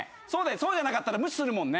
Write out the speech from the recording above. そうじゃなかったら無視するもんね。